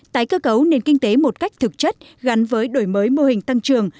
tái cơ cấu nền kinh tế một cách thực chất gắn với đổi mới mô hình tăng trường